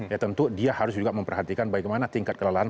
ya tentu dia harus juga memperhatikan bagaimana tingkat kelelahan